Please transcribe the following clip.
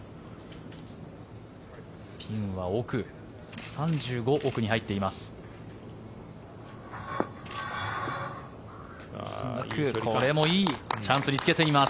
ピンは奥３５奥に入っています。